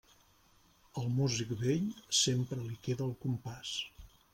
Al músic vell, sempre li queda el compàs.